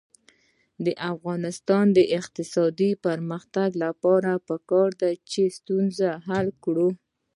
د افغانستان د اقتصادي پرمختګ لپاره پکار ده چې ستونزه حل کړو.